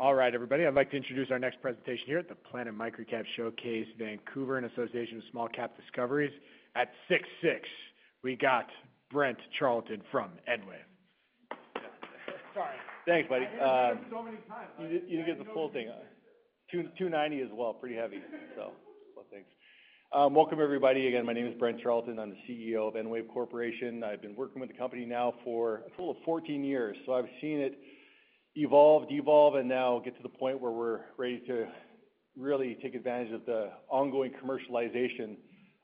All right, everybody, I'd like to introduce our next presentation here at the Planet Microcap Showcase, Vancouver, in association with Small Cap Discoveries. At six six, we got Brent Charlton from EnWave. Sorry. Thanks, buddy. I've done it so many times. You get the full thing. Two ninety as well. Pretty heavy, so. Thanks. Welcome, everybody. Again, my name is Brent Charleton. I'm the CEO of EnWave Corporation. I've been working with the company now for a full of 14 years, so I've seen it evolve, devolve, and now get to the point where we're ready to really take advantage of the ongoing commercialization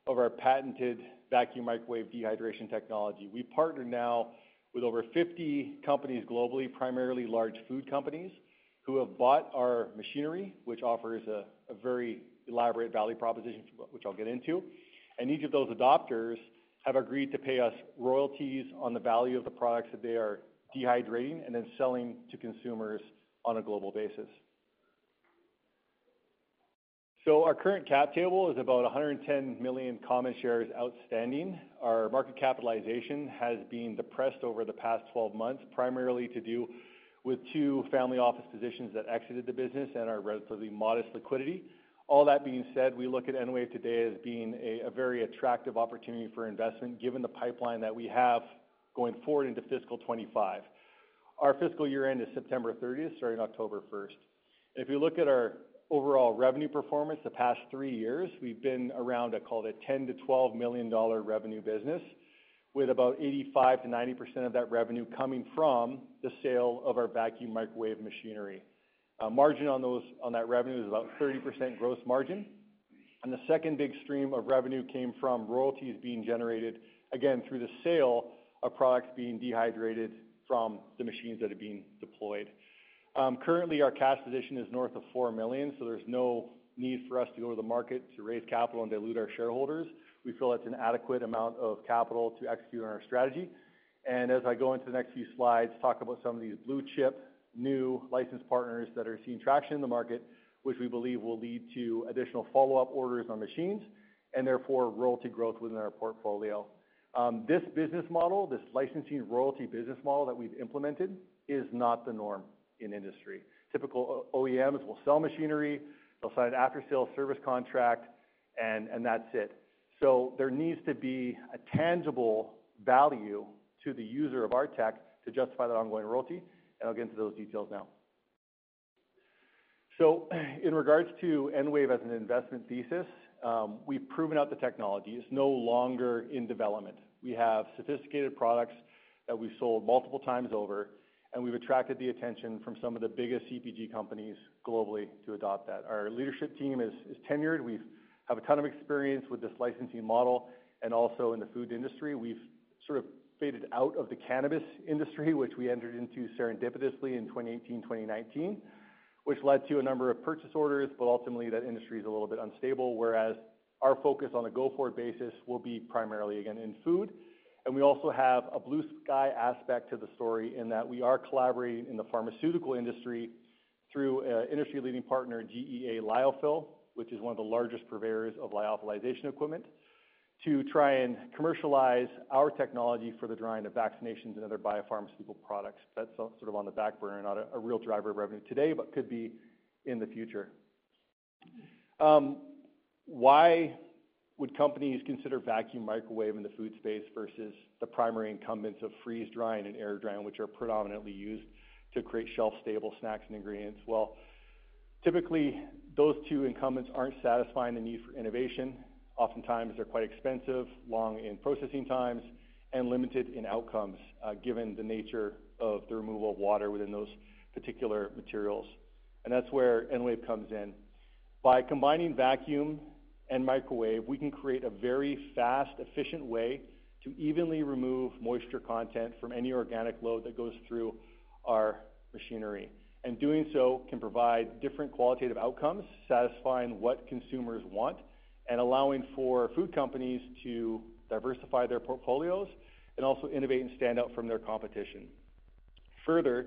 of our patented vacuum microwave dehydration technology. We partner now with over 50 companies globally, primarily large food companies, who have bought our machinery, which offers a very elaborate value proposition, which I'll get into. And each of those adopters have agreed to pay us royalties on the value of the products that they are dehydrating and then selling to consumers on a global basis. So our current cap table is about 110 million common shares outstanding. Our market capitalization has been depressed over the past twelve months, primarily to do with two family office positions that exited the business and our relatively modest liquidity. All that being said, we look at EnWave today as being a, a very attractive opportunity for investment, given the pipeline that we have going forward into fiscal twenty-five. Our fiscal year end is September thirtieth, starting October first. If you look at our overall revenue performance the past three years, we've been around, call it, 10-12 million-dollar revenue business, with about 85%-90% of that revenue coming from the sale of our vacuum microwave machinery. Margin on those, on that revenue is about 30% gross margin. And the second big stream of revenue came from royalties being generated, again, through the sale of products being dehydrated from the machines that are being deployed. Currently, our cash position is north of 4 million, so there's no need for us to go to the market to raise capital and dilute our shareholders. We feel that's an adequate amount of capital to execute on our strategy. As I go into the next few slides, talk about some of these blue-chip, new license partners that are seeing traction in the market, which we believe will lead to additional follow-up orders on machines, and therefore, royalty growth within our portfolio. This business model, this licensing royalty business model that we've implemented, is not the norm in industry. Typical OEMs will sell machinery, they'll sign an after-sale service contract, and that's it. So there needs to be a tangible value to the user of our tech to justify that ongoing royalty, and I'll get into those details now. In regards to EnWave as an investment thesis, we've proven out the technology. It's no longer in development. We have sophisticated products that we've sold multiple times over, and we've attracted the attention from some of the biggest CPG companies globally to adopt that. Our leadership team is tenured. We have a ton of experience with this licensing model and also in the food industry. We've sort of faded out of the cannabis industry, which we entered into serendipitously in twenty eighteen, twenty nineteen, which led to a number of purchase orders, but ultimately, that industry is a little bit unstable, whereas our focus on a go-forward basis will be primarily, again, in food. We also have a blue-sky aspect to the story in that we are collaborating in the pharmaceutical industry through an industry-leading partner, GEA Lyophil, which is one of the largest purveyors of lyophilization equipment, to try and commercialize our technology for the drying of vaccinations and other biopharmaceutical products. That's sort of on the back burner, not a real driver of revenue today, but could be in the future. Why would companies consider vacuum microwave in the food space versus the primary incumbents of freeze drying and air drying, which are predominantly used to create shelf-stable snacks and ingredients? Typically, those two incumbents aren't satisfying the need for innovation. Oftentimes, they're quite expensive, long in processing times, and limited in outcomes, given the nature of the removal of water within those particular materials. That's where EnWave comes in. By combining vacuum and microwave, we can create a very fast, efficient way to evenly remove moisture content from any organic load that goes through our machinery, and doing so can provide different qualitative outcomes, satisfying what consumers want and allowing for food companies to diversify their portfolios and also innovate and stand out from their competition. Further,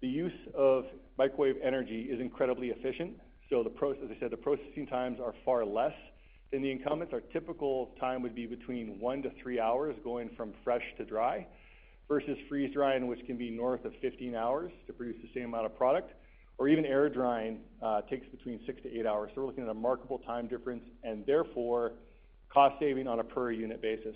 the use of microwave energy is incredibly efficient, as I said, the processing times are far less than the incumbents. Our typical time would be between one to three hours, going from fresh to dry, versus freeze drying, which can be north of 15 hours to produce the same amount of product, or even air drying takes between six to eight hours, so we're looking at a remarkable time difference and therefore, cost saving on a per-unit basis.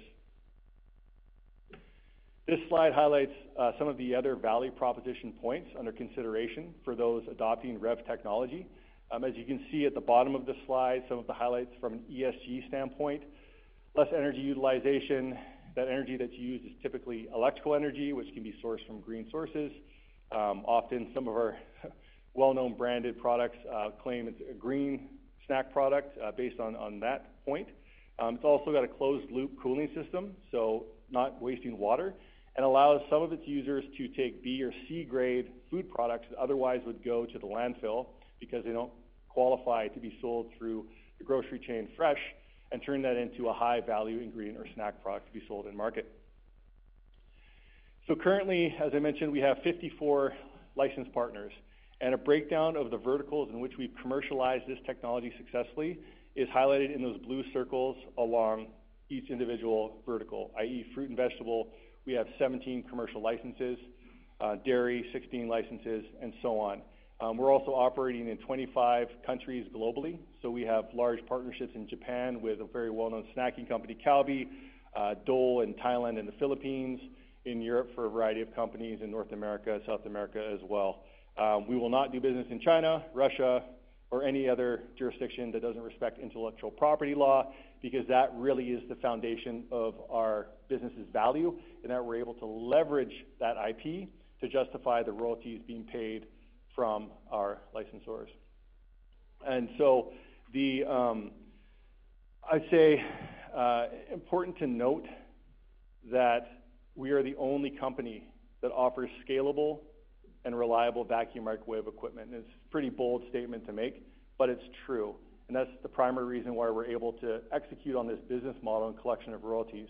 This slide highlights some of the other value proposition points under consideration for those adopting REV technology. As you can see at the bottom of the slide, some of the highlights from an ESG standpoint, less energy utilization. That energy that's used is typically electrical energy, which can be sourced from green sources. Often some of our well-known branded products claim it's a green snack product based on that point. It's also got a closed-loop cooling system, so not wasting water, and allows some of its users to take B or C grade food products that otherwise would go to the landfill because they don't qualify to be sold through the grocery chain fresh, and turn that into a high-value ingredient or snack product to be sold in market. So currently, as I mentioned, we have 54 licensed partners, and a breakdown of the verticals in which we've commercialized this technology successfully, is highlighted in those blue circles along each individual vertical, i.e., fruit and vegetable, we have 17 commercial licenses, dairy, 16 licenses, and so on. We're also operating in 25 countries globally, so we have large partnerships in Japan with a very well-known snacking company, Calbee, Dole in Thailand and the Philippines, in Europe for a variety of companies in North America, South America as well. We will not do business in China, Russia, or any other jurisdiction that doesn't respect intellectual property law, because that really is the foundation of our business's value, and that we're able to leverage that IP to justify the royalties being paid from our licensors. And so, I'd say, important to note that we are the only company that offers scalable and reliable vacuum microwave equipment. And it's a pretty bold statement to make, but it's true, and that's the primary reason why we're able to execute on this business model and collection of royalties.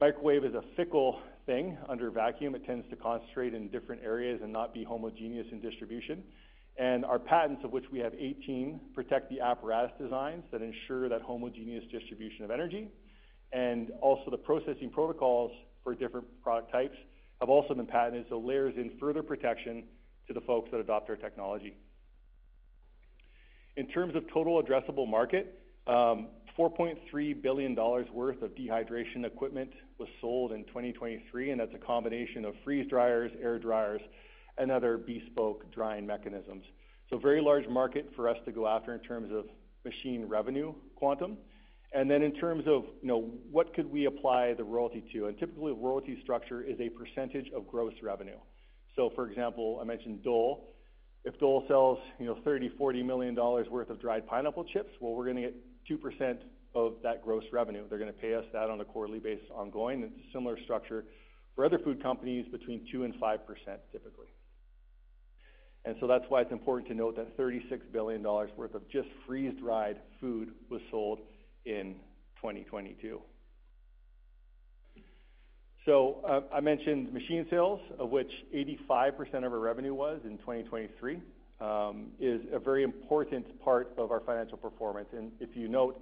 Microwave is a fickle thing. Under a vacuum, it tends to concentrate in different areas and not be homogeneous in distribution. And our patents, of which we have eighteen, protect the apparatus designs that ensure that homogeneous distribution of energy, and also the processing protocols for different product types have also been patented, so layers in further protection to the folks that adopt our technology. In terms of total addressable market, 4.3 billion dollars' worth of dehydration equipment was sold in 2023, and that's a combination of freeze dryers, air dryers, and other bespoke drying mechanisms, so very large market for us to go after in terms of machine revenue, quantum. And then in terms of, you know, what could we apply the royalty to? And typically, a royalty structure is a percentage of gross revenue. So for example, I mentioned Dole. If Dole sells, you know, 30 to 40 million dollars worth of dried pineapple chips, well, we're gonna get 2% of that gross revenue. They're gonna pay us that on a quarterly basis, ongoing. It's a similar structure for other food companies, between 2% and 5%, typically. That's why it's important to note that 36 billion dollars worth of just freeze-dried food was sold in 2022. So, I mentioned machine sales, of which 85% of our revenue was in 2023, is a very important part of our financial performance. If you note,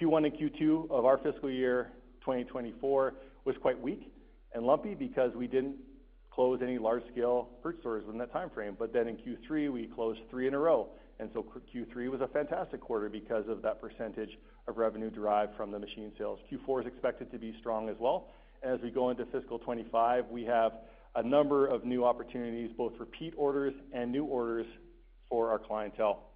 Q1 and Q2 of our fiscal year, 2024, was quite weak and lumpy because we didn't close any large-scale fruit stores within that time frame. Then in Q3, we closed 3 in a row, and so Q3 was a fantastic quarter because of that percentage of revenue derived from the machine sales. Q4 is expected to be strong as well. As we go into fiscal 2025, we have a number of new opportunities, both repeat orders and new orders for our clientele.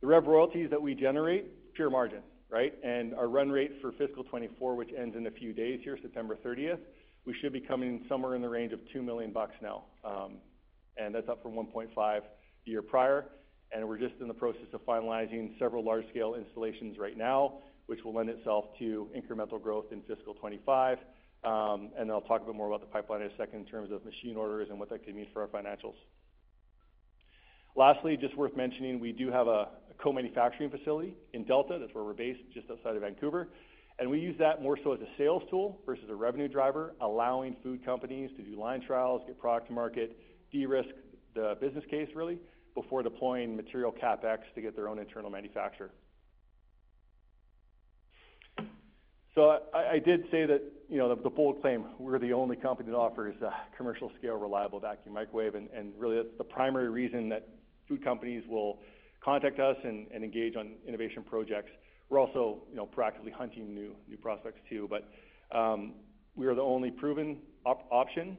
The REV royalties that we generate, pure margin, right? Our run rate for fiscal 2024, which ends in a few days here, September 30th, we should be coming somewhere in the range of 2 million bucks now, and that's up from 1.5 million the year prior, and we're just in the process of finalizing several large-scale installations right now, which will lend itself to incremental growth in fiscal twenty-five. And I'll talk a bit more about the pipeline in a second in terms of machine orders and what that could mean for our financials. Lastly, just worth mentioning, we do have a co-manufacturing facility in Delta. That's where we're based, just outside of Vancouver. And we use that more so as a sales tool versus a revenue driver, allowing food companies to do line trials, get product to market, de-risk the business case, really, before deploying material CapEx to get their own internal manufacturer. I did say that, you know, the bold claim, we're the only company that offers a commercial-scale, reliable vacuum microwave, and really, that's the primary reason that food companies will contact us and engage on innovation projects. We're also, you know, proactively hunting new prospects too. But we are the only proven option.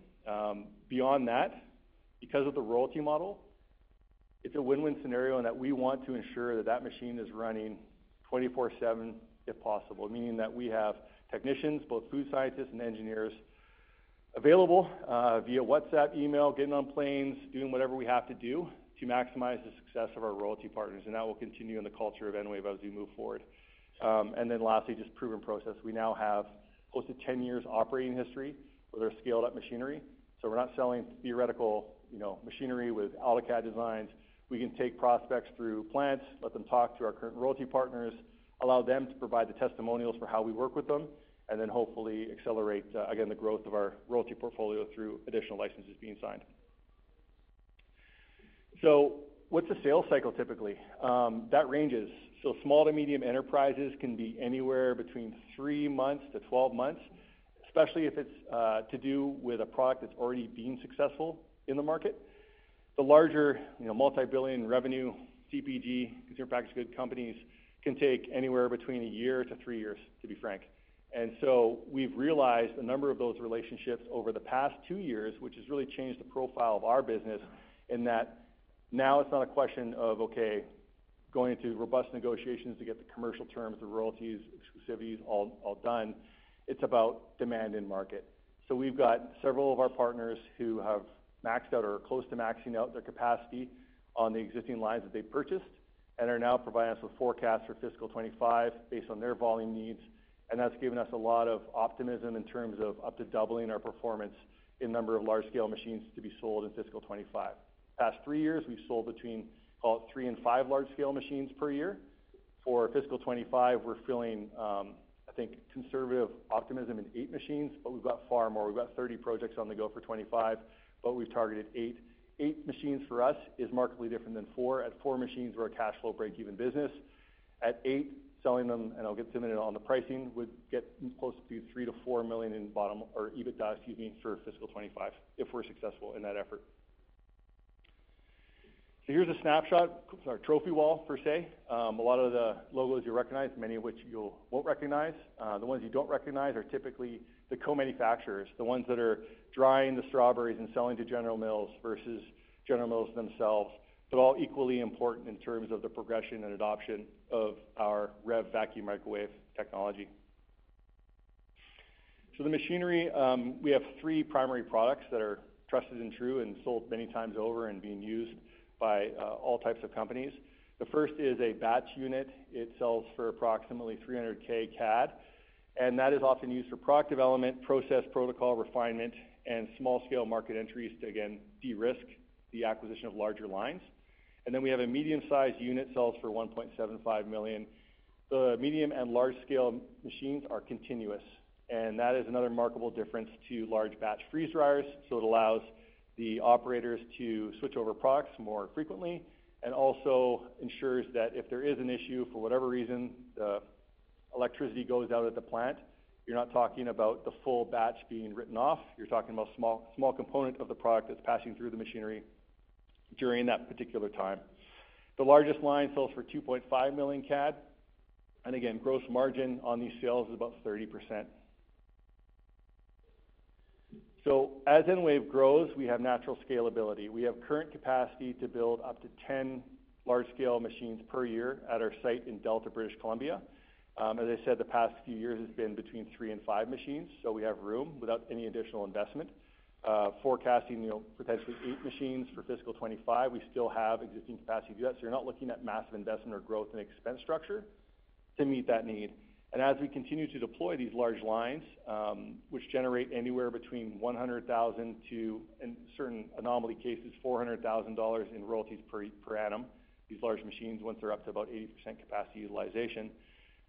Beyond that, because of the royalty model, it's a win-win scenario and that we want to ensure that that machine is running twenty-four seven, if possible. Meaning that we have technicians, both food scientists and engineers, available via WhatsApp, email, getting on planes, doing whatever we have to do to maximize the success of our royalty partners. And that will continue in the culture of EnWave as we move forward. And then lastly, just proven process. We now have close to ten years operating history with our scaled-up machinery. So we're not selling theoretical, you know, machinery with AutoCAD designs. We can take prospects through plants, let them talk to our current royalty partners, allow them to provide the testimonials for how we work with them, and then hopefully accelerate, again, the growth of our royalty portfolio through additional licenses being signed. So what's the sales cycle, typically? That ranges. So small to medium enterprises can be anywhere between three months to twelve months, especially if it's, to do with a product that's already been successful in the market. The larger, you know, multi-billion revenue, CPG, consumer packaged good companies, can take anywhere between a year to three years, to be frank. And so we've realized a number of those relationships over the past two years, which has really changed the profile of our business, in that now it's not a question of, okay, going into robust negotiations to get the commercial terms, the royalties, exclusivities, all done. It's about demand and market. So we've got several of our partners who have maxed out or are close to maxing out their capacity on the existing lines that they purchased, and are now providing us with forecasts for fiscal 2025 based on their volume needs. And that's given us a lot of optimism in terms of up to doubling our performance in number of large-scale machines to be sold in fiscal 2025. Past three years, we've sold between three and five large-scale machines per year. For fiscal 2025, we're feeling, I think, conservative optimism in eight machines, but we've got far more. We've got thirty projects on the go for 2025, but we've targeted eight. Eight machines for us is markedly different than four. At four machines, we're a cash flow break-even business. At eight, selling them, and I'll get to it in a minute on the pricing, would get close to 3 million-4 million in bottom line or EBITDA, excuse me, for fiscal 2025, if we're successful in that effort. So here's a snapshot, sorry, trophy wall per se. A lot of the logos you recognize, many of which you won't recognize. The ones you don't recognize are typically the co-manufacturers, the ones that are drying the strawberries and selling to General Mills versus General Mills themselves. They're all equally important in terms of the progression and adoption of our REV vacuum microwave technology. So the machinery, we have three primary products that are trusted and true and sold many times over and being used by all types of companies. The first is a batch unit. It sells for approximately 300,000 CAD, and that is often used for product development, process, protocol refinement, and small-scale market entries to, again, de-risk the acquisition of larger lines. And then we have a medium-sized unit, sells for 1.75 million. The medium and large-scale machines are continuous, and that is another remarkable difference to large batch freeze dryers. So it allows the operators to switch over products more frequently, and also ensures that if there is an issue, for whatever reason, the electricity goes out at the plant, you're not talking about the full batch being written off, you're talking about a small, small component of the product that's passing through the machinery during that particular time. The largest line sells for 2.5 million CAD, and again, gross margin on these sales is about 30%. So as EnWave grows, we have natural scalability. We have current capacity to build up to 10 large-scale machines per year at our site in Delta, British Columbia. As I said, the past few years has been between three and five machines, so we have room without any additional investment. Forecasting, you know, potentially eight machines for fiscal 2025, we still have existing capacity to do that. You're not looking at massive investment or growth in expense structure to meet that need. And as we continue to deploy these large lines, which generate anywhere between 100,000 to, in certain anomaly cases, 400,000 dollars in royalties per annum, these large machines, once they're up to about 80% capacity utilization,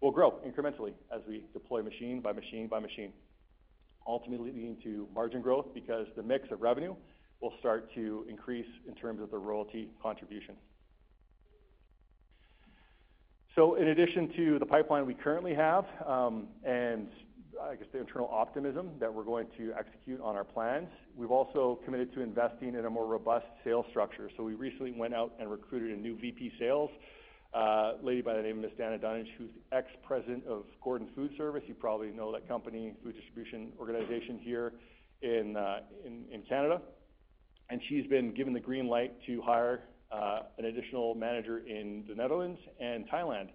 will grow incrementally as we deploy machine by machine by machine. Ultimately, leading to margin growth, because the mix of revenue will start to increase in terms of the royalty contribution. In addition to the pipeline we currently have, and I guess, the internal optimism that we're going to execute on our plans, we've also committed to investing in a more robust sales structure. We recently went out and recruited a new VP Sales, a lady by the name of Ms. Danna Dunnage, who's ex-President of Gordon Food Service. You probably know that company, food distribution organization here in Canada. And she's been given the green light to hire an additional manager in the Netherlands and Thailand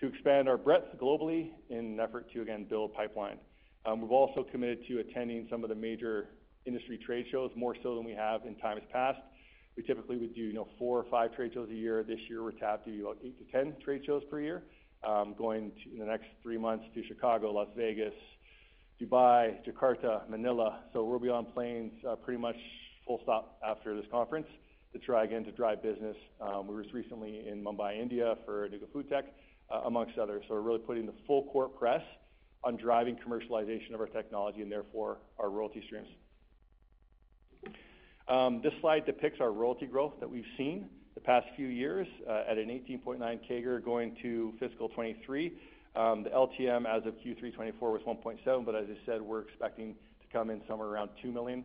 to expand our breadth globally in an effort to, again, build a pipeline. We've also committed to attending some of the major industry trade shows, more so than we have in times past. We typically would do four or five trade shows a year. This year, we're tapped to do about eight to 10 trade shows per year. Going to, in the next three months to Chicago, Las Vegas, Dubai, Jakarta, Manila. So we'll be on planes pretty much full stop after this conference to try again to drive business. We were just recently in Mumbai, India, for Anuga FoodTec amongst others. We're really putting the full court press on driving commercialization of our technology and therefore our royalty streams. This slide depicts our royalty growth that we've seen the past few years at an 18.9% CAGR going to fiscal 2023. The LTM as of Q3 2024 was 1.7 million, but as I said, we're expecting to come in somewhere around 2 million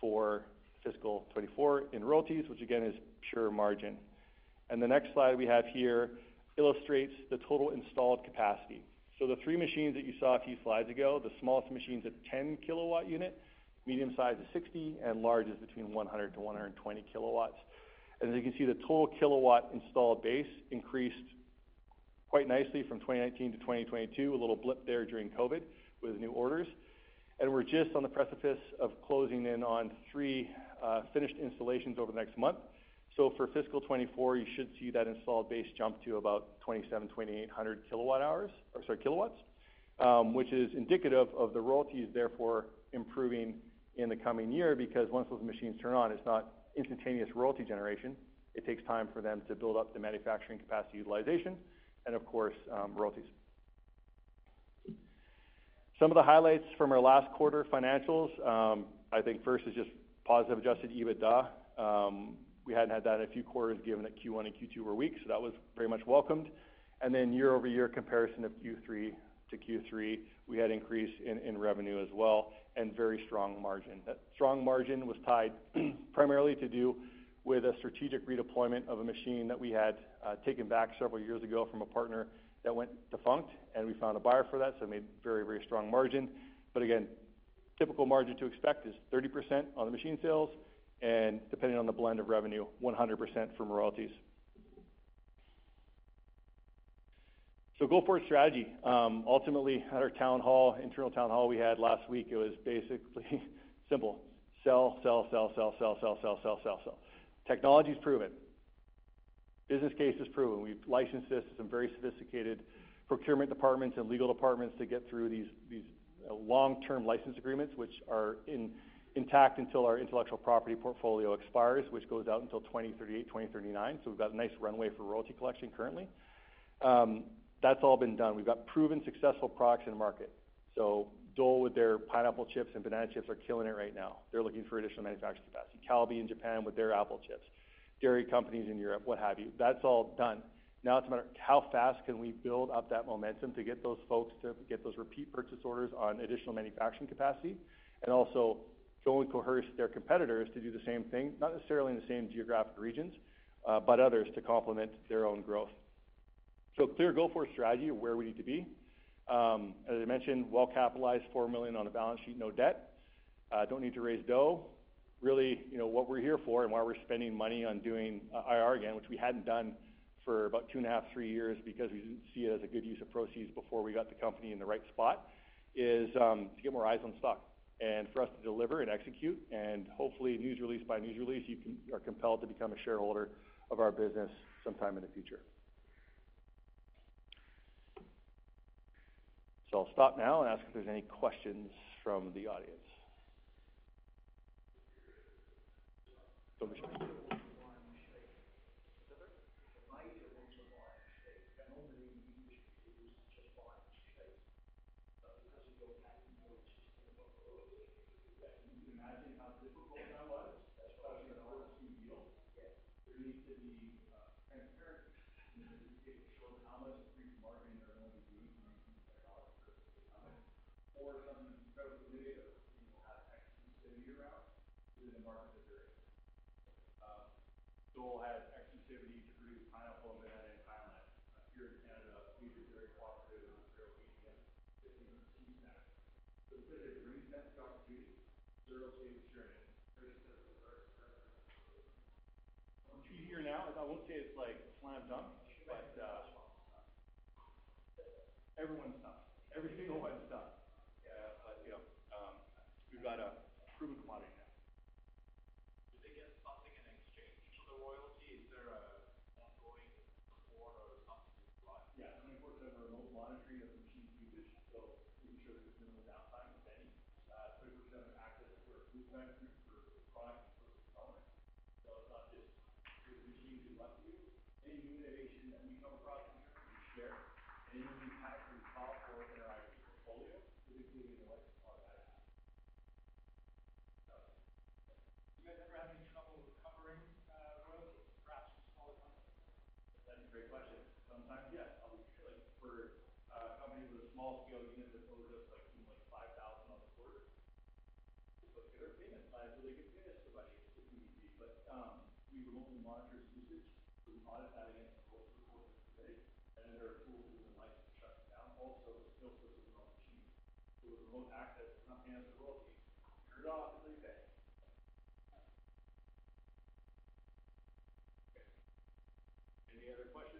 for fiscal 2024 in royalties, which again, is pure margin. The next slide we have here illustrates the total installed capacity. The three machines that you saw a few slides ago, the smallest machine is a 10-kilowatt unit, medium size is 60, and large is between 100-120 kilowatts. As you can see, the total kilowatt installed base increased quite nicely from 2019 to 2022. A little blip there during COVID with new orders. We're just on the precipice of closing in on three finished installations over the next month. For fiscal 2024, you should see that installed base jump to about 27-28 hundred kilowatts, which is indicative of the royalties therefore improving in the coming year, because once those machines turn on, it's not instantaneous royalty generation. It takes time for them to build up the manufacturing capacity utilization and of course royalties. Some of the highlights from our last quarter financials, I think first is just positive adjusted EBITDA. We hadn't had that in a few quarters given that Q1 and Q2 were weak, so that was very much welcomed. Then year-over-year comparison of Q3 to Q3, we had increase in revenue as well, and very strong margin. That strong margin was tied primarily to do with a strategic redeployment of a machine that we had taken back several years ago from a partner that went defunct, and we found a buyer for that, so it made very, very strong margin. But again, typical margin to expect is 30% on the machine sales, and depending on the blend of revenue, 100% from royalties. So go-forward strategy. Ultimately, at our town hall, internal town hall we had last week, it was basically simple. Sell, sell, sell, sell, sell, sell, sell, sell, sell, sell. Technology is proven. Business case is proven. We've licensed this to some very sophisticated procurement departments and legal departments to get through these long-term license agreements, which are intact until our intellectual property portfolio expires, which goes out until 2038, 2039. So we've got a nice runway for royalty collection currently. That's all been done. We've got proven successful products in the market. So Dole, with their pineapple chips and banana chips, are killing it right now. They're looking for additional manufacturing capacity. Calbee in Japan with their apple chips, dairy companies in Europe, what have you. That's all done. Now it's a matter how fast can we build up that momentum to get those folks to get those repeat purchase orders on additional manufacturing capacity, and also go and coerce their competitors to do the same thing, not necessarily in the same geographic regions, but others to complement their own growth. So clear go-forward strategy of where we need to be. As I mentioned, well capitalized, 4 million on the balance sheet, no debt. Don't need to raise though. Really, you know, what we're here for and why we're spending money on doing IR again, which we hadn't done for about two and a half, three years, because we didn't see it as a good use of proceeds before we got the company in the right spot, is to get more eyes on stock. And for us to deliver and execute, and hopefully, news release by news release, you can-- are compelled to become a shareholder of our business sometime in the future. So I'll stop now and ask if there's any questions from the audience. Can you hear now? I won't say it's like slam dunk, but. Okay. Any other questions before we wrap up? I think I'm done on time. Okay, thanks, everyone.